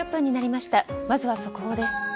まずは速報です。